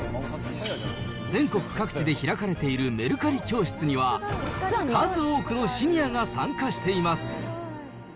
全国各地で開かれているメルカリ教室には、数多くのシニアが参加しています。